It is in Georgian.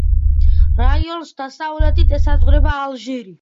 რაიონს დასავლეთით ესაზღვრება ალჟირი.